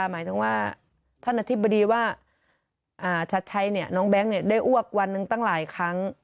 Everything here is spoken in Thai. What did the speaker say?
หมายถึงว่าท่านอธิบดีว่าชัดชัยน้องแบงค์ได้อ้วกวันหนึ่งตั้งหลายครั้ง